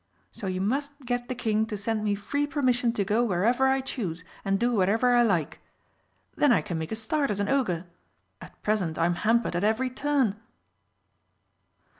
So you must get the King to send me free permission to go wherever I choose and do whatever I like. Then I can make a start as an Ogre. At present I'm hampered at every turn!"